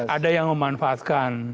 ada yang memanfaatkan